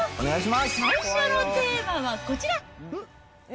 最初のテーマはこちら。